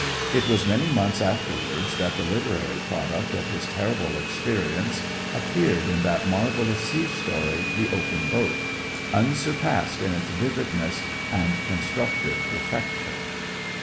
It was many months afterwards that the literary product of his terrible experience appeared in that marvellous sea story "The Open Boat," unsurpassed in its vividness and constructive perfection.